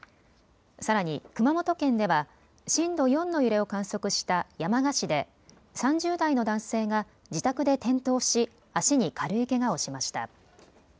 さらに熊本県では震度４の揺れを観測した山鹿市で３０代の男性が自宅で転倒し足に軽いけがをしました。